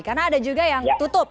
karena ada juga yang tutup